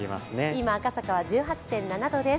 今、赤坂は１８．７度です。